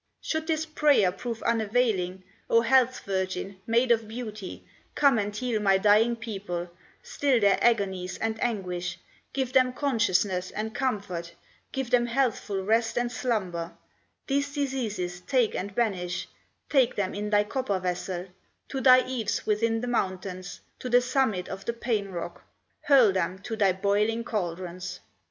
"Should this prayer prove unavailing, O, Health virgin, maid of beauty Come and heal my dying people, Still their agonies and anguish, Give them consciousness and comfort, Give them healthful rest and slumber; These diseases take and banish, Take them in thy copper vessel, To thy caves within the mountains, To the summit of the Pain rock, Hurl them to thy boiling caldrons.